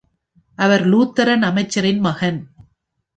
அவர் Lutheran அமைச்சரின் மகன்.